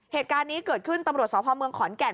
เหตุการณ์นี้เกิดขึ้นตำรวจสพเมืองขอนแก่น